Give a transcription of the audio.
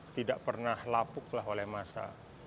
tidak pernah lapuklah oleh masa